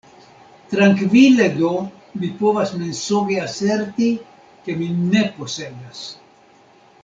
Trankvile do mi povas mensoge aserti, ke mi ne posedas.